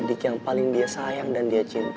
didik yang paling dia sayang dan dia cinta